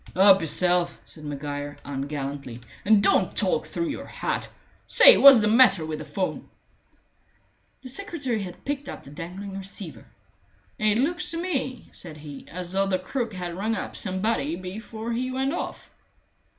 "Help yourself," said Maguire, ungallantly, "and don't talk through your hat. Say, what's the matter with the 'phone?" The secretary had picked up the dangling receiver. "It looks to me," said he, "as though the crook had rung up somebody before he went off."